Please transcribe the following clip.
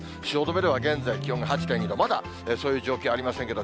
汐留では現在、気温が８．２度、まだそういう状況ありません